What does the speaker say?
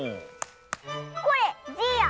これじいや。